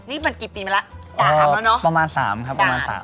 นี่มันกี่ปีมาแล้ว๓แล้วเนอะประมาณ๓ครับประมาณ๓